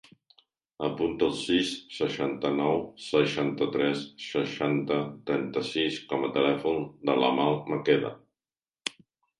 Apunta el sis, seixanta-nou, seixanta-tres, seixanta, trenta-sis com a telèfon de l'Amal Maqueda.